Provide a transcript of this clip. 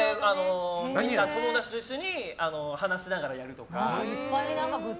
友達と一緒に話しながらやるとか。